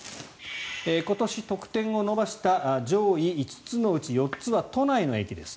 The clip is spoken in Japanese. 今年得点を伸ばした上位５つのうち４つは都内の駅です。